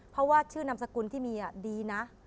เพราะว่าชื่อนามสกุลที่มีดีนะ